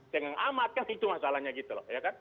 jangan amat kan itu masalahnya gitu loh ya kan